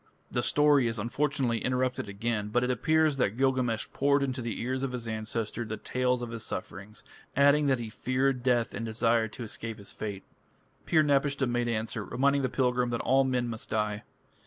The story is unfortunately interrupted again, but it appears that Gilgamesh poured into the ears of his ancestor the tale of his sufferings, adding that he feared death and desired to escape his fate. Pir napishtim made answer, reminding the pilgrim that all men must die.